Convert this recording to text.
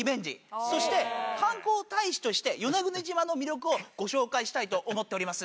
そして観光大使として与那国島の魅力をご紹介したいと思っております。